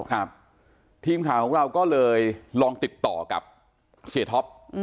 ครับทีมข่าวของเราก็เลยลองติดต่อกับเสียท็อป